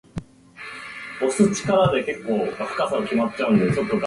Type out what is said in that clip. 朝になり、ボートが完成し、彼は出発した